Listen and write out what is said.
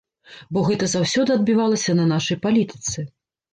Бо гэта заўсёды адбівалася на нашай палітыцы.